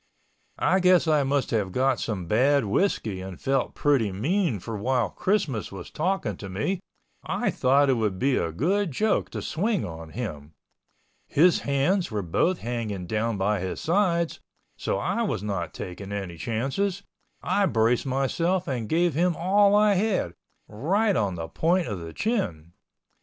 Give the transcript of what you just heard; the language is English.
I guess I must have got some bad whiskey and felt pretty mean for while Christmas was talking to me I thought it would be a good joke to swing on him. His hands were both hanging down by his sides, so I was not taking any chances. I braced myself and gave him all I had, right on the point of the chin.